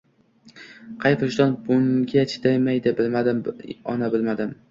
Qay vijdon bunga chidaydi, bilmadim, ona, bilmadim.